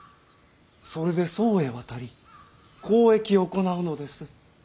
それで宋へ渡り交易を行うのです。